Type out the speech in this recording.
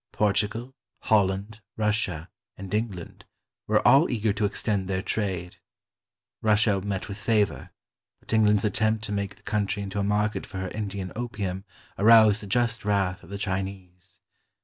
Portugal, Holland, Russia, and England were all eager to extend their trade. Russia met with favor, but Eng land's attempt to make the country into a market for her Indian opium aroused the just wrath of the Chinese.